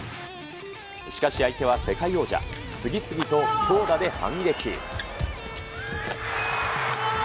しかし、相手は世界王者、次々と強打で反撃。